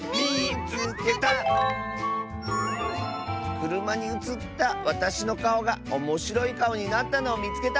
「くるまにうつったわたしのかおがおもしろいかおになったのをみつけた！」。